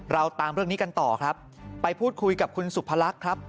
เราตามเรื่องนี้กันต่อครับไปพูดคุยกับคุณสุพรรคครับ